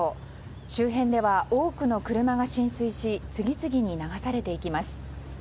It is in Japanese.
周辺では多くの車が浸水し次々に流されていきます。